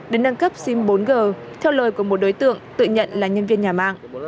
đến nâng cấp sim bốn g theo lời của một đối tượng tự nhận là nhân viên nhà mạng